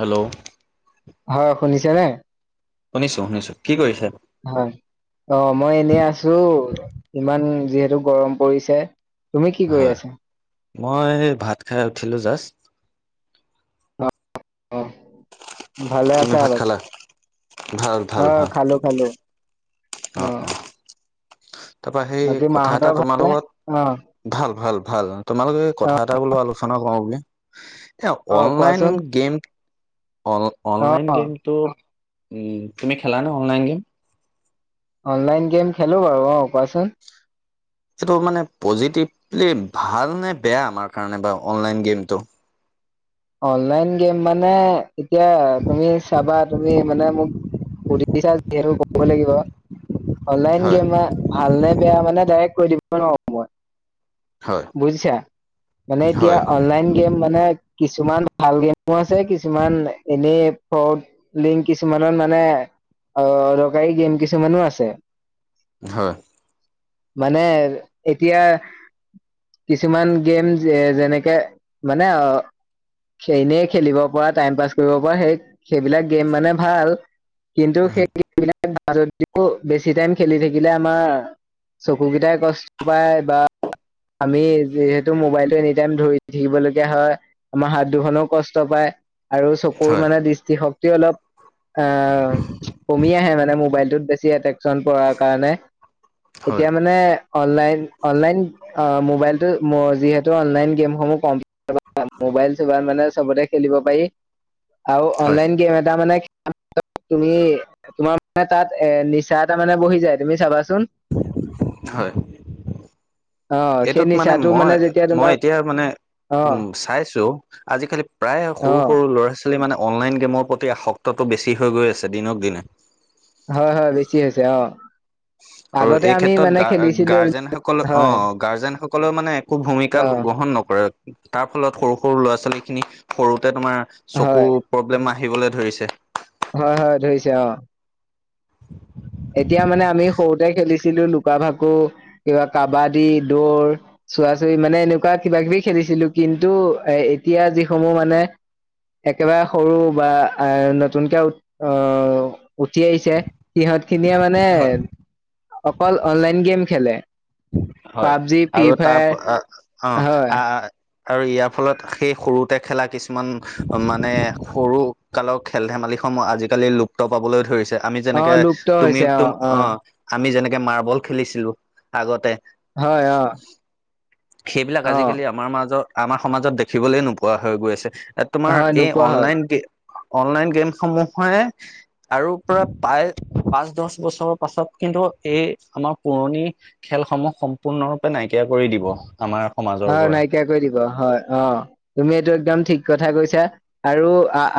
Hello, হয়, শুনিছা নে? শুনিছোঁ, শুনিছো। কি কৰিছে? হয়, অ, মই এনেই আছোঁ, ইমান যিহেতু গৰম পৰিছে। তুমি কি কৰি হয় আছা? মই সেই ভাত খাই উঠিলোঁ জাষ্ট। অ, ভালে তুমি আছা ভাত বাকি? খালা? ভাল। অ, ভাল ভাল খালোঁ, খালোঁ। অ, অ, তাৰপৰা সেই, বাকী কথা মাহঁতৰ এটা তোমাৰ ভালনে? অ লগত ভাল, ভাল, ভাল, তোমালোকে অ কথা এটা বোলো আলোচনা কৰো বুলি। এ, অ অনলাইন কোৱাচোন গেম, অ অনলাইন গেম ত, তুমি খেলানো অনলাইন গেম? অনলাইন গেম খেলো বাৰু, অ, কোৱাচোন। এইটো মানে পজিটিভলি ভাল নে বেয়া, আমাৰ কাৰণে বা অনলাইন গেমটো? অনলাইন গেম মানে, এতিয়া তুমি চাবা তুমি মানে মোক সুধিছা যিহেতু ক'ব লাগিব, অনলাইন হয় গেম বা ভাল নে বেয়া, মানে ডাইৰেক্ট কৈ দিব নোৱাৰো মই। হয় বুজিছা, মানে এতিয়া হয় অনলাইন গেম মানে কিছুমান ভাল গেমো আছে, কিছুমান এনে ফ্ৰদ লিংক কিছুমানৰ মানে, অদৰকাৰী গেম কিছুমানো আছে। হয়। মানে এতিয়া কিছুমান গেম যে, যেনেকে মানে অ, এনেই খেলিব পৰা, টাইম পাছ কৰিব পৰা, সেই সেইবিলাক গেম মানে ভাল। কিন্তু সেইবিলাক যদিও, বেছি টাইম খেলি থাকিলে আমাৰ চকু কেইটাই কষ্ট পায় বা আমি যিহেতু মোবাইলটো এনি টাইম ধৰি থাকিবলগীয়া হয়। আমাৰ হাত দুখনও কষ্ট পায় আৰু হয় চকুৰ হয় মানে দৃষ্টিশক্তি অলপ আহ, কমি আহে মানে মোবাইলটোত বেছি এট্ৰেকচন পৰাৰ কাৰণে। হয় এতিয়া মানে অনলাইন, অনলাইন অ, মোবাইলটো যিহেতু অনলাইন গেমসমূহ কম মোবাইল-চোবাই মানে সবতে খেলিব পাৰি, আৰু হয় অনলাইন গেম এটা মানে তুমি তোমাৰ মানে তাত এ, নিচা এটা মানে বহি যায়, তুমি চাবাচোন। হয়। অ সেই এইটোত মানে, নিচাটো মই, যেতিয়া মই তোমাৰ এতিয়া মানে অ উ, চাইছো। আজিকালি প্ৰায় অ সৰু সৰু ল'ৰা ছা মানে অনলাইন গেমৰ প্ৰতি, আসক্তটো বেছি হৈ গৈ আছে, দিনক দিনে। হয়, হয়, বেছি হৈছে, অ, আৰু আগতে এই আমি ক্ষেত্ৰত মানে খেলিছিলো এইবিলাক- গা-গাৰ্জেনসকলৰ হয় অ, গাৰ্জেন সকলৰ মানে একো ভূমিকা অ গ্ৰহণ নকৰে। তাৰ ফলত সৰু সৰু ল'ৰা-ছোৱালী খিনি সৰুতে তোমাৰ চকু হয় প্ৰব্লেম আহিবলৈ ধৰিছে। হয়, হয়, ধৰিছে অ, এতিয়া মানে আমি সৰুতে খেলিছিলো, লুকা-ভাকু, কিবা কাবাদী, দৌৰ। চোৱা-চুই মানে এনেকুৱা কিবা কিবি খেলিছিলো, কিন্তু এতিয়া যিসমূহ মানে একেবাৰে সৰু বা আ নতুনকে আহ উঠি আহিছে সিহঁত খিনিয়ে মানে হয় অকল অনলাইন গেম খেলে হয় পাবজি ফ্ৰী আৰু তাৰ ফায়াৰ অ হয় আহ আৰু ইয়াৰ ফলত সেই সৰুতে খেলা কিছুমান মানে সৰু কালৰ খেল-ধেমালিসমূহ আজিকালি লুপ্ত পাবলৈ ধৰিছে আমি অ যেনেকে লুপ্ত তুমি হৈছে অ তম অ আহ আমি যেনেকে মাৰ্বল খেলিছিলো আগতে হয় অ সেইবিলাক অ আজিকালি আমাৰ মাজত আমাৰ সমাজত দেখিবলৈ নোপোৱা হৈ গৈ আছে। তোমাৰ হয় এই নোপোৱা হ'ল অনলাইন গেম অনলাইন গেম সমূহে আৰু পৰা প্ৰায় পাঁচ দহ বছৰৰ পাছত কিন্তু এই আমাৰ পুৰণি খেলসমূহ সম্পূৰ্ণৰূপে নাইকিয়া কৰি দিব, আমাৰ সমাজৰ অ পৰা নাইকিয়া কৰি দিব হয় অ তুমি এইটো একদম ঠিক কথা কৈছা। আৰু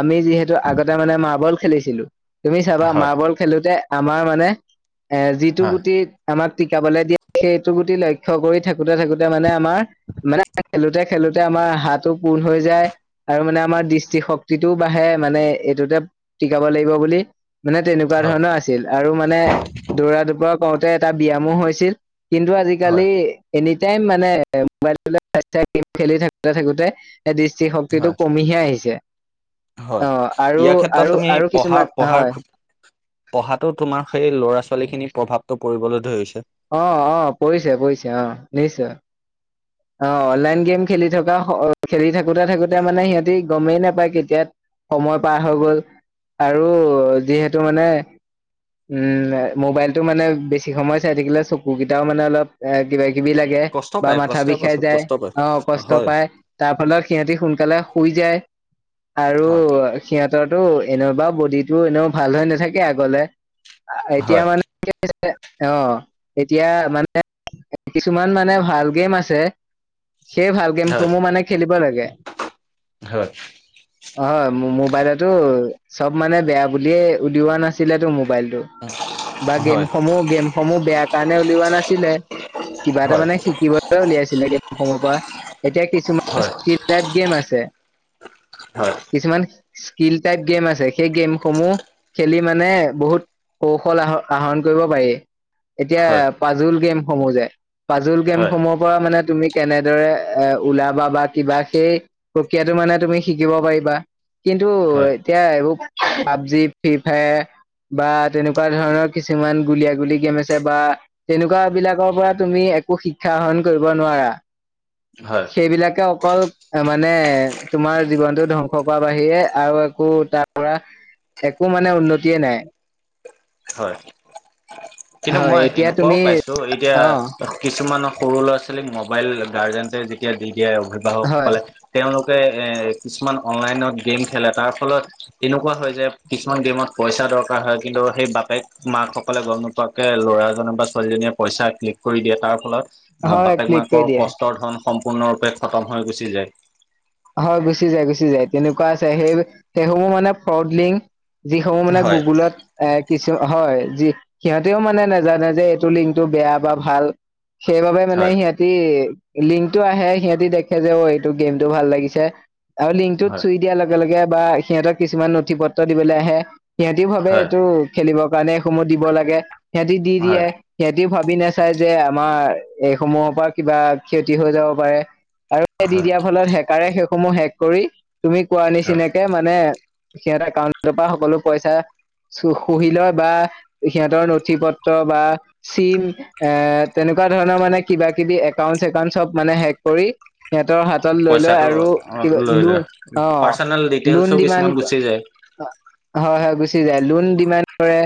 আমি যিহেতু আগতে মানে মাৰ্বল খেলিছিলো। তুমি চাবা হয় মাৰ্বল খেলোতে আমাৰ মানে এ যিটো হয় গুটি আমাক টিকাবলৈ দিয়ে সেইটো গুটি লক্ষয় কৰি থাকোতে থাকোতে মানে আমাৰ মানে খেলোতে খেলোতে আমাৰ হাঁতো পুণ হৈ যায় আৰু মানে আমাৰ দৃষ্টি শক্তিটোও বাঢ়ে মানে এইটোতে টিকাব লাগিব বুলি মানে তেনেকুৱা হয় ধৰণৰ আছিল আৰু মানে দৌৰা দুপৰা কৰওঁতে এটা ব্যায়ামো হৈছিল কিন্তু হয় আজিকালি এনিটাইম মানে মোবাইল গেম খেলি থাকোতে থাকোতে দৃষ্টি শক্তিটো হয় কমিহে আহিছে হয় অ আৰু ইয়াৰ ক্ষেত্ৰত আৰু তুমি আৰু পঢ়া কিছুমান পঢ়াৰ হয় পঢ়াতো তোমাৰ সেই ল'ৰা ছোৱালী খিনি প্ৰভাৱটো পৰিবলৈ ধৰিছে অ অ পৰিছে পৰিছে অ নিশ্চয় অ অনলাইন গেম খেলি থকা খেলি থাকোতে থাকোতে মানে সিহঁতি গমেই নাপায় কেতিয়াত সময় পাৰ হৈ গ'ল আৰু যিহেতু মানে উম মোবাইলতটো মানে বেছি সময় চাই থাকিলে চকু কেইটাও মানে অলপ কিবা কিবি লাগে গে কষ্ট বা পায় মাথা কষ্ট বিষ বিষাই পাছত যায় কষ্ট পায় আহ কষ্ট হয় পায় তাৰ ফলত সিহঁতি সোনকালে শুই যায় আৰু হয় সিহঁতৰতো এনেই বা বডিটো এনেও ভাল হৈ নাথাকে আগলৈ এতিয়া হয় মানে অ এতিয়া মানে কিছুমান মানে ভাল গেম আছে সেই ভাল হয় গেমসমূহ মানে খেলিব লাগে হয় হয় মো মোবাইলতটো চব মানে বেয়া বুলিয়ে উলিওৱা নাছিলেতো মোবাইলটো বা হয় হয় গেমসমূহ গেমসমূহ বেয়া কাৰণে উলিওৱা নাছিলে কিবা এটা হয় মানে শিকিবলৈ উলিয়াইছিলে সৰু পৰা এতিয়া কিছুমান হয় স্কুপ তেপ গেম আছে হয় কিছুমান স্কিল টাইপ গেম আছে সেই গেমসমূহ খেলি মানে বহুত কৌশল আহ আহৰণ কৰিব পাৰি এতিয়া হয় পাজুল গেমসমূহ যে পাজুল হয় গেমসমূহৰ পৰা মানে তুমি কেনেদৰে এ ওলাবা বা কিবা সেই প্ৰক্ৰিয়াটো মানে তুমি শিকিব পাৰিবা কিন্তু এতিয়া এইবোৰ পাবজি ফ্ৰী ফায়াৰ বা তেনেকুৱা ধৰণৰ কিছুমান গুলীয়াাগুলী গেম আছে বা তেনেকুৱা বিলাকৰ পৰা তুমি একো শিক্ষা আহৰণ কৰিব নোৱাৰা। হয়। সেইবিলাকে অকল মানে তোমাৰ জীৱনতো ধ্বংস কৰা বাহিৰে আৰু একো তাৰ ধৰা একো মানে উন্নতিয়ে নাই। হয়। কিন্তু হয় মই এতিয়া এনেকুৱাও তুমি পাইছো এতিয়া অ কিছুমান সৰু ল'ৰা ছোৱালীক মোবাইল গাৰ্জেনটে যেতিয়া দি দিয়ে অভিভাৱক হয় সকলে তেওঁলোকে এই কিছুমান অনলাইনত গেম খেলে তাৰ ফলত এনেকুৱা হয় যায় কিছুমান গেমত পইচা দৰকাৰ হয় কিন্তু সেই বাপেক মাক সকলে গম ঘপকে ল'ৰাজনে বা ছোৱালীজনীয়ে পইচা ক্লিক কৰি দিয়ে তাৰ ফলত হয় বাপেক ক্লিক কৰি মাকৰ দিয়ে কষ্ট ৰ ধন সম্পূৰ্ণৰূপে খতম হৈ গুচি যায়। হয় গুচি যায় গুচি যায় তেনেকুৱা আছে সেই সেইসমূহ মানে ফ্ৰড লিংক যিসমূহ মানে হয় গুগুলত এ কিছু হয় যি সিহঁতেও মানে নাজানে যে এইটো লিংকটো বেয়া বা ভাল। সেইবাবে মানে সিহঁতি লিংকটো আহে সিহঁতি দেখে যে অ এইটো গেমতটো ভাল লাগে। লাগিছে আৰু লিংক টোত হয় চুই দিয়াৰ লগে লগে বা সিহঁতক কিছুমান নথি পত্ৰ দিবলৈ আহে। সিহঁতিও ভাবে হয় এইটো খেলিবৰ কাৰণে এইসমূহ দিব লাগে সিহঁতি দি হয় দিয়ে। সিহঁতিও ভাবি নাচাই যে আমাৰ এইসমূহৰ পৰা কিবা ক্ষতি হৈ যাব পাৰে। আৰু দি হয় দিয়াৰ ফলত হেকাৰে সেইসমূহ হেক কৰি তুমি কোৱাৰ হয় নিচিনাকে মানে সিহঁতৰ একাউণ্টৰ পৰা সকলো পইচা সুহিলয় বা সিহঁতৰ নথি পত্ৰ বা চিম এ তেনেকুৱা ধৰণৰ মানে কিবা কিবি একাউন্ট একাউন্ট চব মানে হেক কৰি সিহঁতৰ হাতত লৈ লয় পইচাটো আৰু কিবা লৈ লো লয় অ' পাৰ্চনেল ডিটেইলছো লোন ডিমান- কিছুমান গুচি যায় হয় হয় গুচি যায়। লোন ডিমান কৰে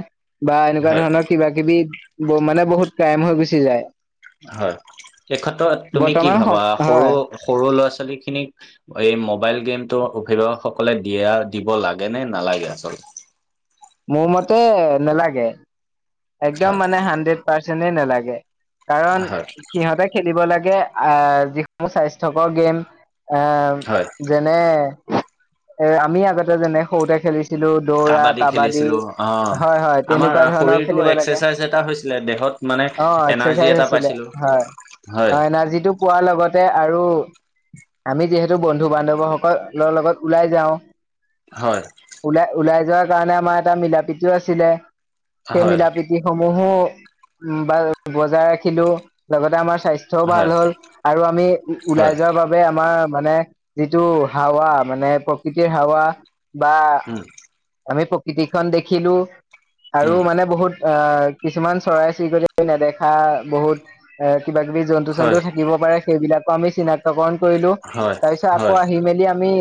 বা এনেকুৱা হয় ধৰণৰ কিবা কিবা কিবি মানে বহুত ক্ৰাইম হৈ গুচি যায়। হয় এই ক্ষেত্ৰত তুমি কি বৰ্তমান ভাবা সম- সৰু, হয় সৰু ল'ৰা ছোৱালী খিনিক এই মোবাইল গেমতটো অভিভাৱকসকলে দিয়া দিব লাগে নে নালাগে আচলতে? মোৰ মতে নালাগে। একদম হয় মানে হাড্ৰেড পাৰ্চেণ্টে নালাগে কাৰণ হয় সিহঁতে খেলিব লাগে আহ যিসমূহ স্বাস্থ্যকৰ গেম, এ হয়। যেনে এ আমি আগতে যেনে সৰুতে খেলিছিলোঁ। দৌৰা কাবাডী খেলিছিলো অ হয় হয় আমাৰ তেনেকুৱা ধৰণৰ শৰীৰটো খেলিব লাগে। এক্সাৰচাইজ এটা হৈছিলে দেহত মানে অ' এনাৰ্জি এক্সাৰচাইজ এটা আছিলে পাইছিলো হয়। হয় এনাৰ্জীটো পোৱাৰ লগতে আৰু আমি যিহেতু বন্ধু বান্ধৱসকলৰ লগত ওলাই যাও। হয়। ওলাই, ওলাই যোৱাৰ কাৰণে আমাৰ এটা মিলা প্ৰীতিও আছিলে। সেই হয় মিলা প্ৰীতিসমূহো বজাই ৰাখিলোঁ। লগতে আমাৰ স্বাস্থ্য স্বাস্থ্য হয় ভাল হ'ল। আৰু আমি হয় ওলাই যোৱাৰ বাবে বাবে আমাৰ মানে যিটো হাৱা মানে প্ৰকৃতিৰ হাৱা বা উম। আমি প্ৰকৃতিখন দেখিলোঁ আৰু উম মানে বহুত অ' কিছুমান চৰাই চিৰিকটি নেদেখা বহুত কিবা কিবি জন্তু হয় চন্তু থাকে। দিব পাৰে সেইবিলাকো আমি চিনাক্তকৰণ কৰিলোঁ। হয় তাৰ পিছত হয় আকৌ আহি মেলি আমি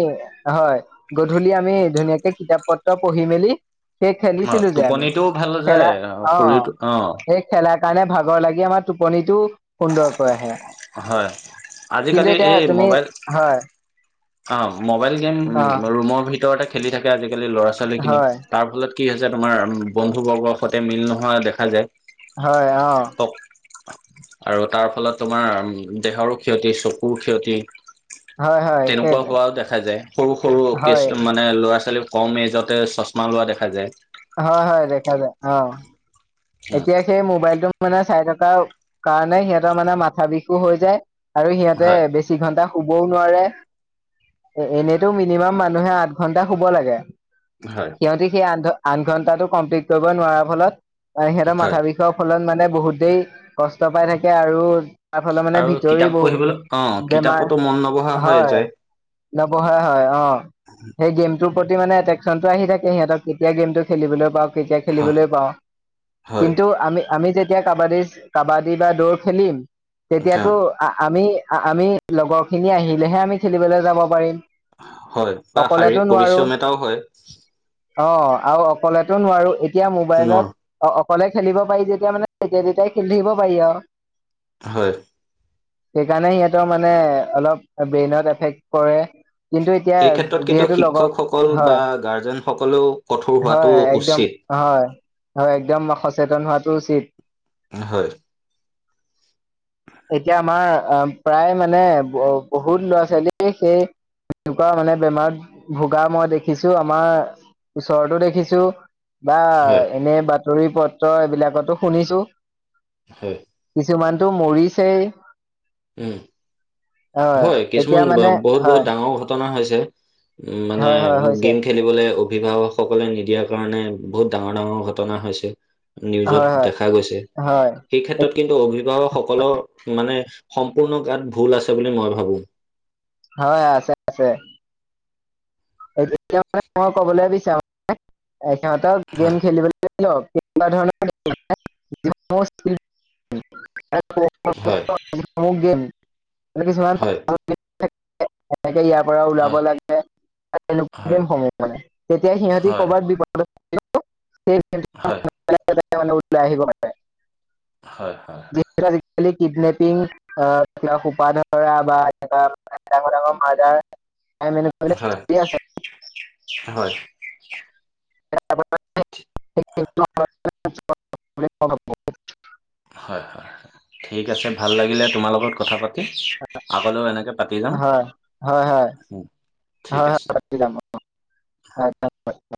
হয় গধূলি আমি ধুনীয়াকে কিতাপ পত্ৰ পঢ়ি মেলি। সেই অ খেলিছিলো যে আমি টোপনিটোও ভাল যায় খেলা অঁ শৰীৰটো অ সেই খেলাৰ কাৰণে ভাগৰ লাগি আমাৰ টোপনিটো সুন্দৰকৈ আহে। হয় কিন্তু আজিকালি এতিয়া এই তুমি মোবাইল হয়। অ' মোবাইল গেম অ ৰুমৰ ভিতৰতে খেলি থাকে আজিকালি ল'ৰা ছোৱালী খিনি হয় তাৰ ফলত কি হৈছে তোমাৰ বন্ধু বৰ্গৰ সৈতে মিল নোহোৱা দেখা যায়। হয় অ'। আৰু তাৰ ফলত তোমাৰ দেহৰো ক্ষতি চকুৰ ক্ষতি। হয় হয় তেনেকুৱা সেইটোৱে হোৱাও দেখা যায় সৰু সৰু হয় কেছ মা নে ল'ৰা ছোৱালী কম এজতে চশমা লোৱা দেখা যায়। হয় হয় দেখা যায় অঁ এতিয়া সেই মোবাইলটো মানে চাই থকাৰ কাৰণে সিহঁতৰ মানে মাথা বিষো হৈ যায় আৰু সিহঁতে হয় বে ছি ঘণ্টা ঘন্টা শুবও নোৱাৰে। এ এনেইতো মিনিমাম মানুহে আঠ ঘন্টা শুব লাগে। হয় সিহঁতি সেই আঠ আঠ ঘন্টাটো কমপ্লিট কৰিব নোৱাৰাৰ ফলত আহ' সিহঁতৰ হয় মাথা বিষ ৰ ফলত মানে বহুতেই কষ্ট পাই থাকে। আৰু তাৰ ফালে মানে আৰু ভিতৰি কিতাপ বহু পঢ়িবলৈ অ বেমাৰ কিতাপতো মন নবহা হৈ হয়। যায় নবহে হয় অঁ, সেই গেমটোৰ প্ৰতি মানে এট্ৰেকশচনটো আহি থাকে সিহঁতক কেতিয়া গেমটো খেলিবলৈ পাওঁ কেতিয়া হয় খেলিবলৈ পাওঁ। হয় কিন্তু আমি আমি যেতিয়া কাবাডী, কাবাডী বা দৌৰ খেলিম তেতিয়াতো হয় আমি, আমি লগৰখিনি আহিলেহে আমি খেলিবলৈ যাব পাৰিম। হয় বা অকলেতো শাৰীৰিক নোৱাৰো পৰিশ্ৰম এটাও হয়। অ' আৰু অকলেতো নোৱাৰোঁ এতিয়া ন মোবাইলত অ' অকলে খেলিব পাৰি যেতিয়া মানে তেতিয়াই তেতিয়াই খেলি থাকিব পাৰি আৰু। হয়। সেইকাৰণে সিহঁতৰ মানে অলপ ব্ৰেইনত এফেক্ট কৰে। কিন্তু এতিয়া এই ক্ষেত্ৰত কিন্তু যিহেতু লগৰ শিক্ষকসকল বা হয় গাৰ্জেনসকলেও কঠোৰ হোৱাটো হয় একদম উচিত। হয় হয়, একদম সচেতন হোৱাটো উচিত। হয় এতিয়া আমাৰ আহ প্ৰায় মানে বহুত ল'ৰা ছোৱালী সেই এনেকুৱা মানে বেমাৰত ভোগা মই দেখিছো আমাৰ ওচৰতো দেখিছো বা হয়, এনে বাতৰি পত্ৰ এইবিলাকতো শুনিছো। হয় কিছুমানতো মৰিছেই উম হয় এতিয়া কিছুমান মানে বহুত বহুত হয় ডাঙৰ ঘটনা হৈছে উম মানে হয় হয় হৈছে গেম খেলিবলে অভিভাৱক সকলে নিদিয়াৰ কাৰণে বহুত ডাঙৰ ডাঙৰ ঘটনা হৈছে। নিউজত হয় হয় দেখা গৈছে। হয় সেই ক্ষেত্ৰত কিন্তু অভিভাৱক সকলৰ মানে সম্পূৰ্ণ গাত ভুল আছে বুলি মই ভাবো। হয় আছে আছে। তেতিয়া মানে মই কবলৈ বিচাৰো সিহঁতৰ হয়, গেম খেলিবলৈ [unintelligible] এনেকুৱা ধৰণৰ [unintelligible] [unintelligible] কেনেকে হয়, হয়, ইয়াৰ পৰা ওলাব লাগে। হয়, তেনেকুৱা সমূহ মানে তেতিয়া সিহঁতে হয়, কৰবাত বিপদত [unintelligible] হয়, হয়, লাহে লাহে উলাই আহিব পাৰে। হয় হয়। যি আজিকালি কিডনেপিং আহ কিবা সোপা ধৰা, বা এনেকুৱা ডাঙৰ ডাঙৰ মাৰ্ডাৰ মাৰি মেলি হয় হয়। [inaudible] হয় হয় ঠিক আছে, ভাল লাগিলে তোমাৰ লগত কথা পা তি আগলৈও এনেকৈ পাতি যাম, হয় হয় হয় উম ঠিক আছে। [inaudible]